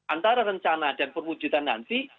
antara rencana dan perwujudan nanti